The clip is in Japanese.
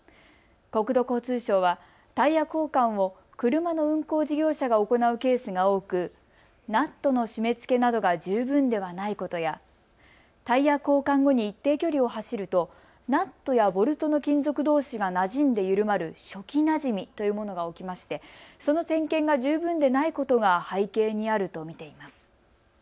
国土交通省はタイヤ交換を車の運行事業者が行うケースが多くナットの締めつけなどが十分ではないことやタイヤ交換後に一定距離を走るとナットやボルトの金属どうしがなじんで緩まる初期なじみというものが起きましてその点検が十分でないことが背景にあると見ています。